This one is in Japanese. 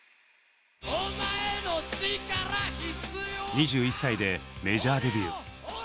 ２１歳でメジャーデビュー。